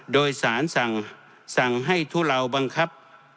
โดยสารสั่งให้ทุเลาบังคับ